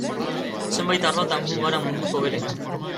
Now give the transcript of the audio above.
Zenbait arlotan gu gara munduko hoberenak.